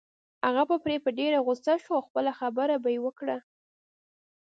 هغه به پرې په ډېره غصه شو او خپله خبره به يې وکړه.